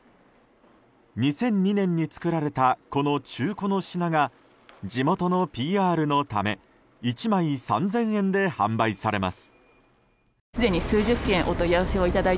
２００２年に作られたこの中古の品が地元のＰＲのため１枚３０００円で販売されます。